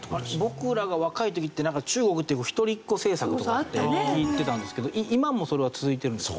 僕らが若い時ってなんか中国って一人っ子政策とかって聞いてたんですけど今もそれは続いてるんですか？